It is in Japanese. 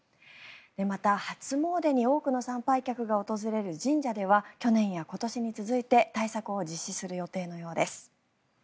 また、初詣に多くの参拝客が訪れる神社では去年や今年に続いて対策を実施することのようです。